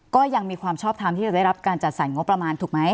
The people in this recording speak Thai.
ก็ยังมีความชอบทำที่จะได้รับการจัดสรรงบประมาณถูกไหม